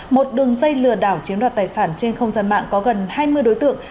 một đường dây lừa đảo chiếm đoạt tài sản trên không gian mạng có gần hai mươi đối tượng